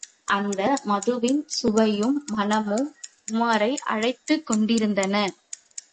அந்த மதுவின் சுவையும் மணமும் உமாரை அழைத்துக் கொண்டிருந்தன.